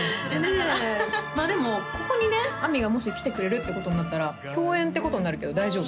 まあでもここにね亜美がもし来てくれるってことになったら共演ってことになるけど大丈夫？